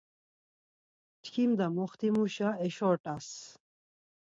Mçkimda moxtimuşa eşo rt̆as.